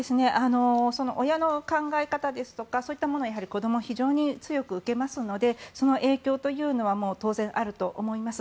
親の考え方ですとかそういったものは子ども、非常に強く影響を受けますのでその影響というのは当然あると思います。